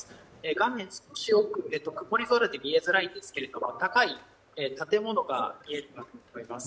画面少し奥、見えづらいんですが高い建物が見えるかと思います。